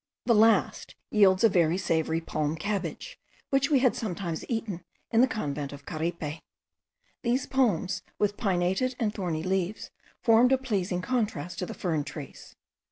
The last yields a very savoury palm cabbage, which we had sometimes eaten at the convent of Caripe. These palms with pinnated and thorny leaves formed a pleasing contrast to the fern trees.